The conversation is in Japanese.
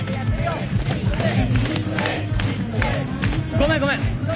ごめんごめん。